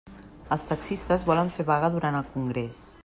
Els taxistes volen fer vaga durant el congrés.